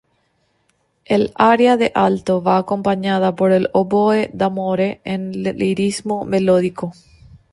El aria de alto va acompañada por el oboe "d'amore" en lirismo melódico.